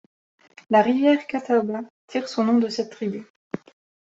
La rivière Catawba tire son nom de cette tribu.